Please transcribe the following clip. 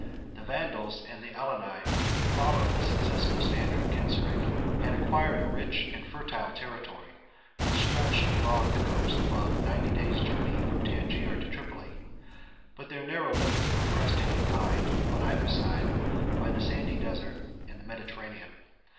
The Vandals and Alani, who followed the successful standard of Genseric, had acquired a rich and fertile territory, which stretched along the coast above ninety days' journey from Tangier to Tripoli; but their narrow limits were pressed and confined, on either side, by the sandy desert and the Mediterranean.